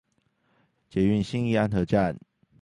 捷運信義安和站